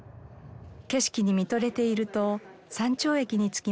景色に見とれていると山頂駅に着きました。